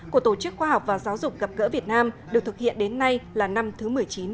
của tổ chức khoa học và giáo dục gặp gỡ việt nam được thực hiện đến nay là năm thứ một mươi chín